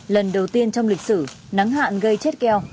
lần đầu tiên trong lịch sử nắng hạn gây chết keo